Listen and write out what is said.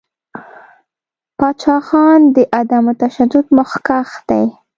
پاچاخان د عدم تشدد مخکښ دی.